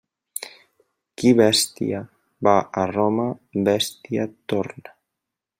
Qui bèstia va a Roma, bèstia torna.